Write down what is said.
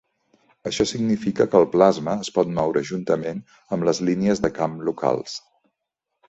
Això significa que el plasma es pot moure juntament amb les línies de camp locals.